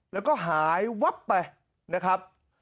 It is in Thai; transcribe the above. แล้วก็หายวับไปนะครับ